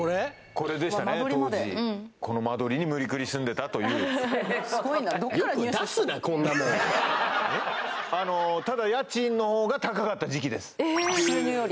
これでしたね当時この間取りに無理くり住んでたというよく出すなこんなもんただ家賃のほうが高かった時期です収入より？